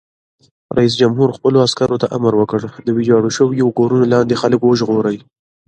رئیس جمهور خپلو عسکرو ته امر وکړ؛ د ویجاړو شویو کورونو لاندې خلک وژغورئ!